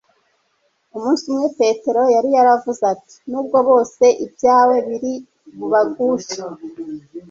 Umunsi umwe Petero yari yaravuze ati: "Nubwo bose ibyawe biri bubagushe,